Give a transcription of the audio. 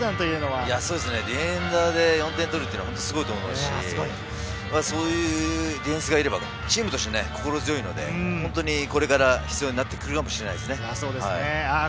ディフェンダーで４点取るというのは、すごいと思いますし、そういうディフェンスがいればチームとして心強いので、本当にこれから必要になってくるかもしれないですね。